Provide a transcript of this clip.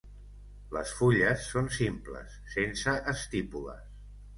Les fulles són simples, sense estípules.